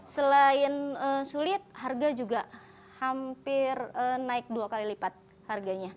selain sulit harga juga hampir naik dua kali lipat harganya